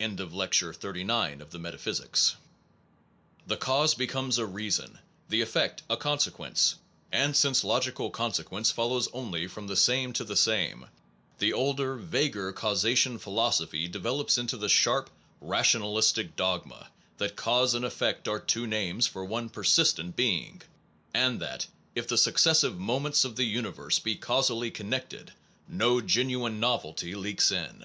(End of Lecture 39 of the Metaphysics.} The cause becomes a reason, the effect a consequence; and since logical consequence follows only from the same to the same, the older vaguer causation philosophy develops into the sharp rationalistic dogma that cause and effect are two names for one persistent being, and that if the successive moments of the uni verse be causally connected, no genuine novelty leaks in.